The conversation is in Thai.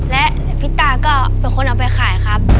และพี่ต้าก็เป็นคนเอาไปขายครับ